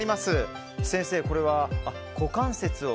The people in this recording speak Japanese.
先生、これは股関節を？